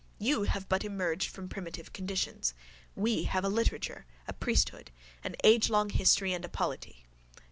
You have but emerged from primitive conditions: we have a literature, a priesthood, an agelong history and a polity.